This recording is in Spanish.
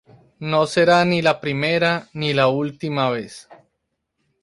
No será ni la primera ni la última vez"".